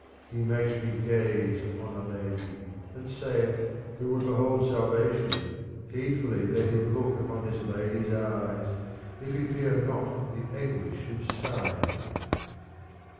He makes me gaze upon a lady. And saith :' Who would behold salvation heedfuUy let him look upon this lady's eyes if he fear not the anguish ofsighings.'